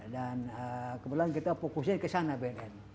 dan kebetulan kita fokusnya ke sana bnn